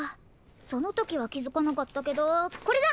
そのときはきづかなかったけどこれだ！